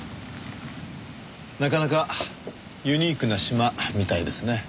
なかなかユニークな島みたいですね。